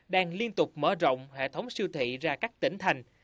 đang liên tục mở rộng hệ thống siêu thị ra các tỉnh thành